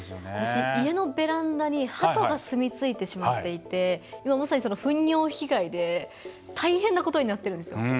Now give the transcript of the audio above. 私、家のベランダにハトが住み着いてしまっていて今まさにふん尿被害で大変なことになってるんですよ。